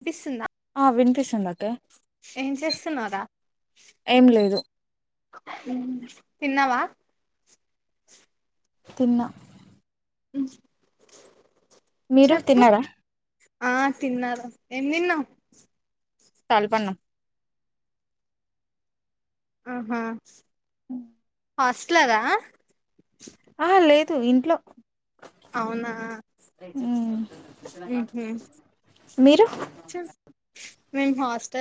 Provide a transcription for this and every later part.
వినిపిస్తుందా ఆ వినిపిస్తుందికే ఏం చేస్తున్నావురా ఏం లేదు తిన్నావా తిన్న అ మీరు తిన్నరా ఆ తిన్నారు ఏం తిన్నా చాల పన్నా ఆహా అ హాస్టల్ దా ఆ లేదు ఇంట్లో అవునా మ్మ్ మీరు మేము హ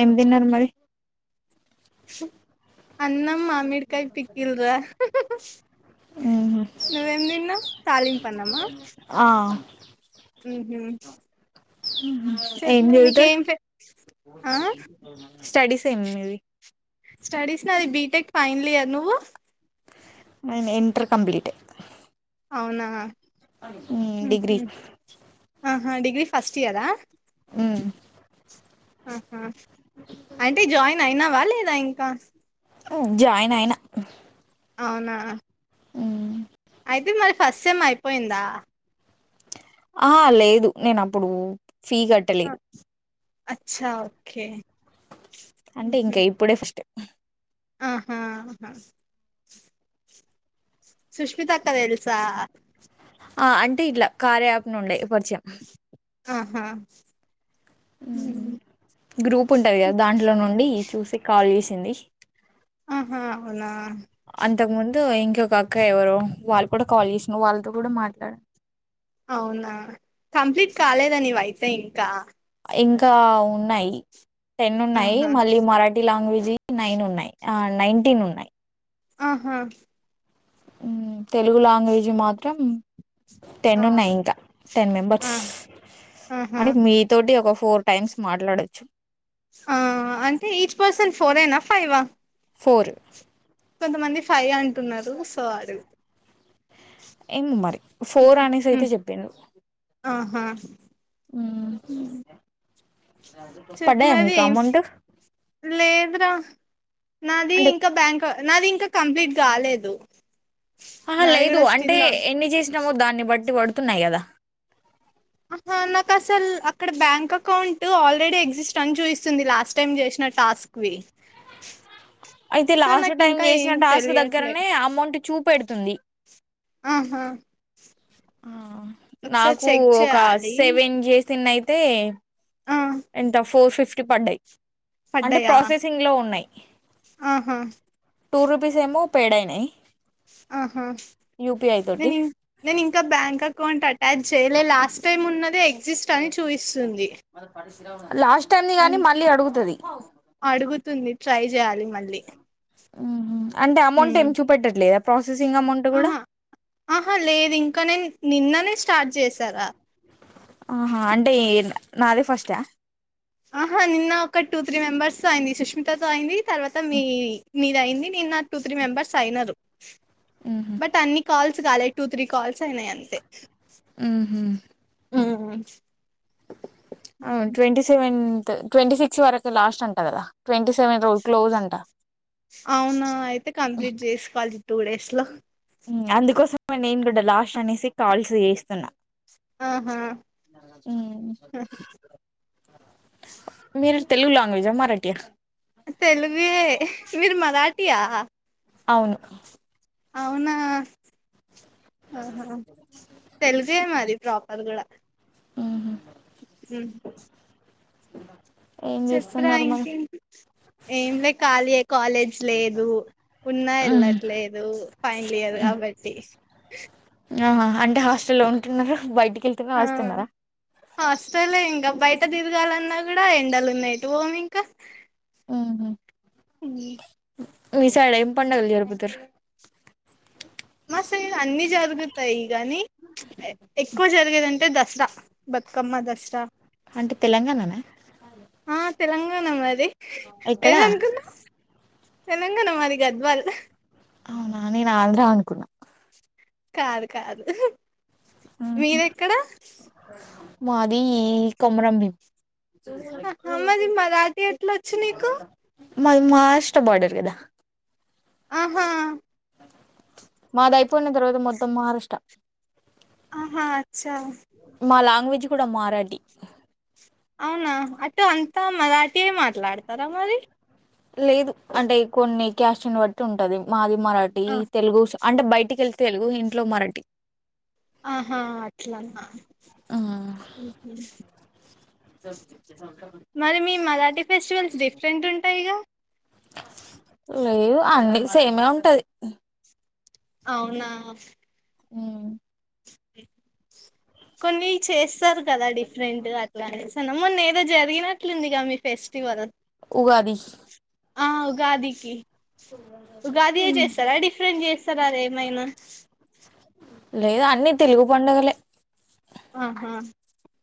ఎమి తన్నారుది మరి అన్నం మామిడికాయ పికిల్రా మ్మ్ నువ్వు ఏం తిన్నావ్ తాలింపు అన్నమా ఆ అమ్ ఏం గ స్డ ఆ [unintelligible] తిన్నది స్టడీస్ నా అది బీటెక్ ఫైనల్ ఇయర్ నువ్వు అ అవునా ఉహు డిగ్ర్రి ఆహా డిగ్రీ ఫస్ట్ ఇయరా హ్మ్మ్ అంటే జాయిన్ అయినావా లేదా ఇంకా జాయిన్ అయినా అవునా మ్మ్ అయితే మరి ఫస్ట్ సెమ్ము అయిపోయిందా ఆ లేదు నేను అప్పుడు ఫీ ఆ కట్టలేదు అచ్చా ఓకే అంటే ఇంకా ఇప్పుడే ఫస్ట్ ఆహాహా సుష్మిత అక్కద తెల్సా ఆ అంటే ఇట్లా కారయాప్ నుండే పరిచయం ఆహా హ్మ్. గ్రూప్ ఉంటది కదా దాంట్లో నుండి చూసి కాల్ చేసింది ఆహా అవునా ఇో కాక్క ఎవరు వాళ్ళు కూడా కాల్ చేసిన వాళ్ళతో కూడా మాట్లాడ అవునా కంప్లీట్ కాలేద నీవయితే ఇంకా ఇంకా ఉన్నాయి టెన్ ఉన్నాయి ఆహా మళ్ళీ మరాఠీ లాంగ్వేజ్ నైన్ ఉన్నాయి ఆ నైన్టీన్ ఉన్నాయి ఆహా తెలుగు లాంగ్వేజీ మాత్రం టెన్ ఉన్నాయి ఆ ఇంకా టెన్ మెంబర్స్ ఆహా అంటే మీతోోటి ఒక ఫోర్ టైమ్స్ మాట్లాడచ్చు ఆ అంటే ఈచ్ పర్సన్ ఫోర్యినా ఫైవ్ ఫోర్ కొంతమంది ఫై అంటున్నారు సో అది ఏమో మరి ఫోర్ అనేసి అయితే హ్మ్. చెప్పిండు ఆహా అ హ్మ్. చెప్పు మరి లేదురా నాది అంటే ఇంకా బ్యాంక్ నాది ఇంకా కంప్లీట్ కాలేదు ఆహా నాది లేదు కూడా స్టిల్ అంటే ఆన్. ఎన్ని చేసినామో దాన్ని బట్టి పడుతున్నాయి కదా ఆహా నాకు అసలు అక్కడ బ్యాంక్ అకౌంట్ ఆల్రెడీ ఎగ్జిస్ట్ అని చూయిస్తుంది లాస్ట్ టైమ్ చేసిన నా టాస్క్వి అయితే సో లాస్ట్ నాకు టైమ్ ఇంకా చేసిన ఏం టాస్క్ తెలియట్లే దగ్గరనే అమౌంట్ చూపెడుతుంది అ హా ఆ నాకు ఒక చేయాలి సెవెన్ చేసింది అయితే ఆ ఎంత ఫోర్ ఫిఫ్టీ పడ్డాయి అంటే పడ్డాయా ప్రాసెసింగ్ లో ఉన్నాయి ఆహా టూ రూపీస్ ఏమో పేడ అయినాయి ఆహా యూపీఐ తోటి నేను ఇం నేను ఇంకా బ్యాంక్ అకౌంట్ అట్ట టజ చేయలే లాస్ట్ టైమ్ ఉన్నదే ఎగ్జిస్ట్ అని చూపిస్తుంది లాస్ట్ టైమ్ ని గాని మళ్ళీ అడుగుతుది స్తుంది ట్రై చేయాలి మళ్ళీ అంటే అమౌంట్ ఉమ్. ఏమి చూపెట్టట్లేదా ప్రాసెసింగ్ అమౌంట్ కూడా ఆహా ఆహా లేదు ఇంకా నేను నిన్ననే స్టార్ట్ చేశారా ఆహా అంటే నాదే ఫస్ట్ ఆహా నిన్న ఒక టూ త్రీ మెంబర్స్ తో అయింది సుష్మితతో అయింది తర్వాత మీ మీద అయింది బట్ నది టూ త్రీ మెంబెర్స్ అయినరు ఉహు బట్ అన్ని calls two three calls అయినాయి అంతే ఉమ్ హు ఉమ్ అవును ట్వంటి సెవెన్ ట్వంటీ సిక్స్ వరకు లాస్ట్ అంటా కదా ట్వంటీ సెవెన్ రో క్లోజ్ అంట అవునా అయితే కంప్లీట్ చేసుకోవాలి టూ డేస్ లో మ్ అందుకోసం నేను కూడా లాస్ట్ అనేసి కాల్స్ చేస్తున్నా ఆహా ఉమ్ మీరు తెలుగు లాంగ్వేజ్ మరాఠీయా తెలుగే మీరు మరాఠీ ఆ అవును అవునా ఆహా తెలుగే మాది ప్ర్రాపర్ కూడా ఉమ్ హు మ్ ఏం చెప్రా చేస్తున్నారు మరి ఇంకేంటి ఏం లే ఖాళీయే కాలేజ్ లేదు ఉన్నా ఉహు. వెళ్ళట్లేదు ఫైనల్ ఇయర్ ద్ కాబట్టి ఆ అంటే హాస్టల్లో ఉంటున్నారు బయటికి వెళ్తునే వస్తున్నారా హస్తలే ఇంకా బయట తిరగాలన్నా కూడా ఎండలు ఉన్నాయి ఎటు పోము ఇంకా ఉహు. ఉమ్ మీ సైడ్ ఏం పండుగలు జరుపుతరు మా సైడ్ అన్ని జరుగుతాయి గానీ ఎక్కువ జరిగేదింటే ద దసరా బతుకమ్మ దసరా అంటే తెలంగాణనా ఆ తెలంగాణ మది ఎక్కడా ఏదనుకున్నావ్ తెలంగాణ మాది గద్వాల్ అవునా నేను ఆంధ్రా అనుకున్నా కాదు కాదు ఉహు. మీదేక్కడ మాది కొమరంబీం అ అ మది మరాఠి ఎట్లొచ్చు నీకు మాది మా రాష్ట్ర బార్డర్ కదా ఆహా మాది అయిపోయిన తర్వాత మొత్తం మరుష్టా ఆహా అచ్చా మా లాంగ్వేజ్ కూడా మారాడి అవునా అటు అంతా మరాఠీయే మాట్లాడతారా మరి లేదు అంటే కొన్ని క్యాస్ని బట్టి ఉంటది మాది మరాఠీ తెలుగు సం అంటే బయటికి వెళ్తే తెలుగు ఇంట్లో మరాఠీ ఆహా అట్లాన ఆ! ఉమ్ హు [unintelligible] మరీ మీ మరాఠీ ఫెస్టివల్స్ డిఫరెంట్ ఉంటాయిగా అండి సేమే ఉంటది అవునా ఉమ్ కొన్ని చేస్తారు కదా డిఫరెంట్ గా అట్లానేసి అన్ మొన్న ఏదో జరిగినట్లుందిగా మీ ఫెస్టివల్ ఉగాది ఆ ఉగాదికి ఉగాది ఏ చేస్తారా డిఫరెంట్ చేస్తారా అది ఏమైనా లేదు అన్నీ తెలుగు పడుగలే ఆహా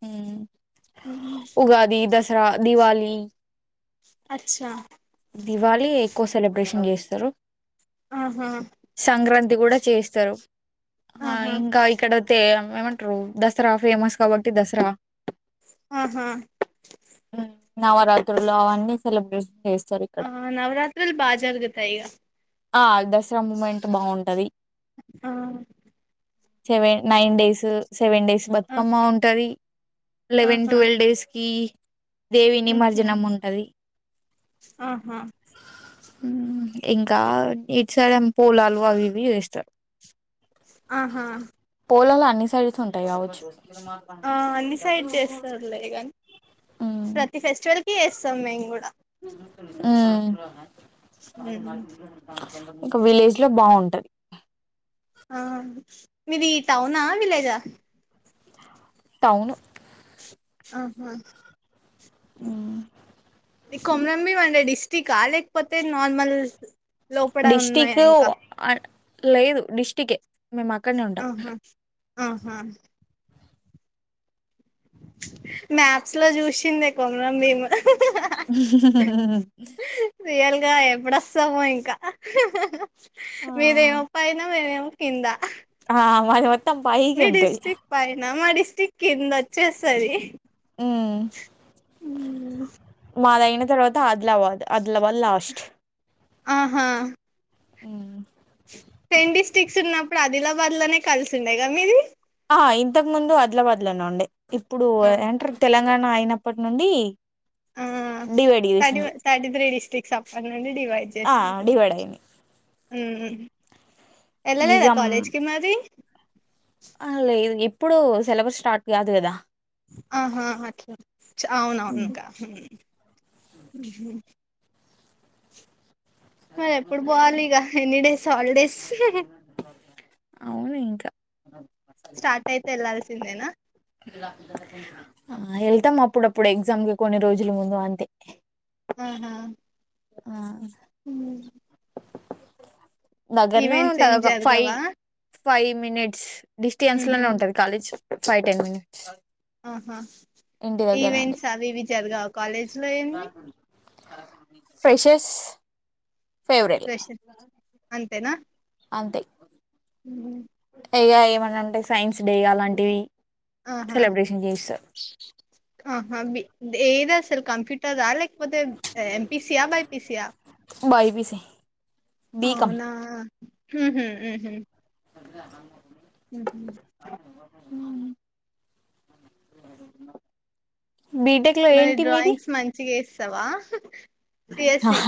ఉమ్ ఉహు. ఉగాది దసరా దివాలీ అచ్చా దివాళి ఎక్కువ సెలబ్రేషన్ చేస్తారు ఆహా సంక్రాంతి కూడా చేస్తారు ఆ ఆహా ఇంకా ఇక్కడతే ఏమంటారు దసరా ఫేమస్ కాబట్టి దసరా ఆహా ఉమ్ నవరాత్రులు అవన్నీ సెలబ్రేట్ చేస్త్ ఆ నవరాత్రల్ బా జరుగుతాయి ఇగ ఆ దసరా మూమెంట్ బాగుంటది ఆ seven nine days seven days ఆ బతుకమ్మ ఉంటది లెవెన్ ఆహా ట్వెల్వ్ డేస్ కి దేవి ఉహు నిమజ్జనం ఉంటది ఆహా ఇంకా నీటి సలం పూలాలు అవివి చేస్తారు ఆహా పోలాలు అన్ని సైడ్స్ ఉంటాయి కావచ్చు ఆ అన్ని సైడ్ చేస్తారులేగాని ఉమ్ ప్రతి ఫెస్టివల్ కి చేస్తాం మేము కూడా ఉమ్ ఉమ్. ఇకా విలేజ్ లో బాగుంటది ఆ మీది టౌనా విలేజా టౌన్ను ఆహా ఉమ్ ఈ కొమలంబిం అంటే డిస్టికా లేకపోతే నార్మల్ లోపడ ఉన్నాయా డిస్టికు ఇంకా లేదు డిస్టిక్ ఎ మేము అక్కడనే ఉంటాం ఆహా ఆహా మ్యాప్ లో చూసిందే కొమురంభీమ్ ఉహూ హు ఉమ్ హు హూ రియల్ గా ఎప్పుడోస్తామో ఇంకా ఉహూ హు మీదేమో పైన మేము ఏమో కింద ఆ మది మోత్ మీ డిస్టిక్ పైన మా డిస్టిక్ కింద వచ్చేస్తది ఉమ్ మా దేమ్ యిన తర్వాత ఆదిలాబాద్ ఆదిలాబాద్ లాస్ట్ ఆహా ఆ ట్రెం డిస్టి్రిక్ట్స్ ఉన్నప్పుడు ఆదిలాబాద్ లోనే కలిసి ఉండేయి కద మీది ఆ ఇంతకు ముందు ఆదిలాబాద్ లోనే ఉండే ఇప్పుడు ఏమంటారు తెలంగాణ అయినప్పటి నుండి ఆ [unintelligible] థర్టీ చేసిండ్రు థర్టీ త్రీ డిస్ట్రిక్స్ అప్పనడి డివైడ్ ఆ చేసినట్ ఉ డివైడ్ అయింది ఎల్లలేద కాలేజ్ కి మరి అ లేదు ఎప్పుడు సెలబ్రస్ స్టార్ట్ కాదు కదా ఆహా అట్లా చ ఉమ్. అవునవునుగా ఊహు మరి ఎప్పుడు పోవాలి ఇగా ఎనీడేస్ హాలిడేస్ అవును ఇంకా స్టార్ట్ అయితే వెళ్లాాల్సిందేనా ఆ వెళ్తాం అప్పుడప్పుడు ఎగ్జామ్ కి కొన్ని రోజుల ముందు అంతే ఆహా ఆ హ దగ్గరలో ఏం ఉంటాది ఒక ఫైవ్ జరగవా ఫైవ్ మినిట్స్ డిస్టెన్స్ ఉహు, లోనే ఉంటది కాలేజ్ ఫైవ్ టెన్ మినిట్స్ ఆహా ఇంటి దగ్గర అండి ఈవెంట్స్ అవి ఇవి జరగావ కాలేజ్లో ఏమవి ఫ్రెషెస్ రషన్ అంతేనా అంతే ఉహు, ఇగా ఏమన్నా అంటే సైన్స్ డే అలాంటివి ఆహా సెలబ్రేషన్ చేస్తారు ఆహా బి ఏదా సార్ కంప్యూట తథ లేకపోతే ఎపీసియా బైపిసియా బైపిసి అవునా ఉహుహు అ అ హ బీటెక్ లో మరి ఏంటి మీది డ్రాయింగ్స్ మంచిగా ఎస్తావా తేసి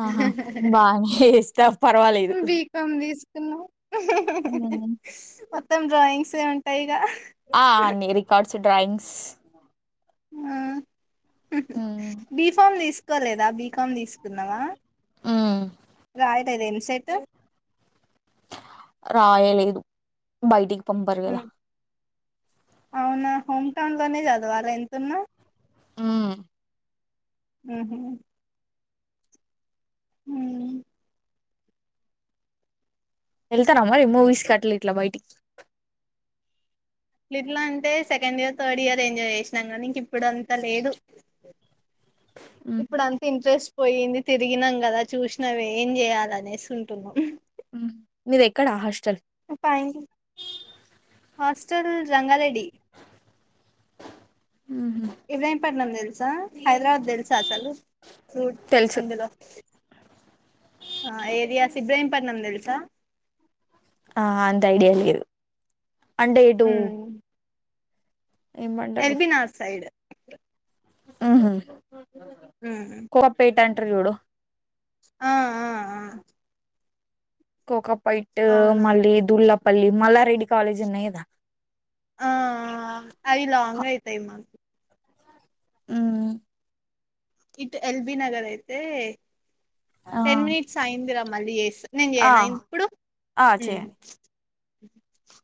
ఆహా ఊహ బానే చేస్తా పర్వాలేదు బీకామ్ తీసుకున్నాం హహ ఉమ్. మొత్తం డ్రాయింగ్స్ ఉంటాయి గా ఆ అన్ని రికార్డ్స్ డ్రాయింగ్స్ ఆ ఉమ్ బిఫామ్ తీసుకోలేదా బీఫామ్ తీసుకో న్నావా ఉమ్, రయట్ద ఎన్సైట్ రాయలేదు బయటికి పంపరు గదా అవునా హోమ్ టౌన్ లోనే చదవాల ఎంతున్నా ఉ ఊహు హ వెళ్తార మరి మూవీస్ కట్టల ఇట్లా బయటికి ట్లా అంటే second year third year enjoy చేసినం గానీ ఇంక ఇప్పుడు అంతా లేదు ఉమ్. ఇప్పుడు అంత ఇంట్రెస్ట్ పోయింది తిరిగినాం గదా చూసినవి ఏం చేయాలనేసింటున్నాం ఉ మిది ఎక్కడ అష్ట పాయింగ హాస్టల్ జన్గారెడ్డి ఉహు, వివయపట్నం తెలుసా హైదరాబాద్ తెలుసా అసలు ఫ్రూట్ తెలుసు అందులో ఆ ఏరియా సిబ్రహీంపట్నం తెలుసా ఆ అంత ఐడియా లేదు అంటే ఏ టూ ఎల్బినగర్ సైడ్ ఉహు ఉ [unintelligible] ఆ ఆ ఆ కోకా పైట్ అవునా మళ్ళీ దుల్లాపల్లి మల్లారెడ్డి కాలేజ్ ఉన్నాయి కదా, ఆ ఆ అయి లాంగ్ అయితాయి, మాకు ఉ ఇట్ ఎల్బి నగర్ అయితే ఆ టెన్ మినిట్స్ అయిందిరా మళ్ళీ చేస్తా నేను ఆ చేయన ఇప్పుడు ఆ, చేయండి [unintelligible]